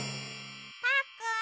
パックン！